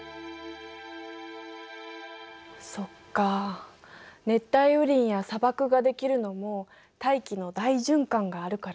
そっか熱帯雨林や砂漠が出来るのも大気の大循環があるからなんだね。